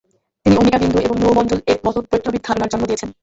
তিনি ওমেগা বিন্দু এবং নুওমণ্ডল-এর মত বৈপ্লবিক ধারণার জন্ম দিয়েছেন।